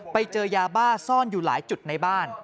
ไปเจอยาบ้าซ่อนอยู่หลายจุดในบ้าน